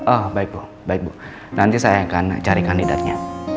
oh baik bu baik bu nanti saya akan cari kandidatnya